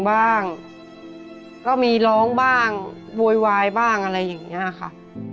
บ้างก็มีร้องบ้างโวยวายบ้างอะไรอย่างนี้ค่ะ